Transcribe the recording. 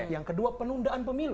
yang kedua penundaan pemilu